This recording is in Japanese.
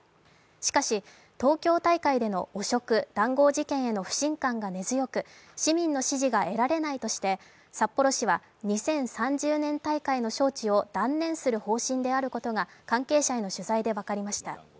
しかし、東京大会での汚職・談合事件への不信感が強く、市民の支持が得られないとして札幌市は２０３０年大会の招致を断念する方針であることが関係者への取材で分かりました。